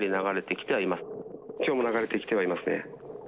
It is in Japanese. きょうも流れてきてはいますね。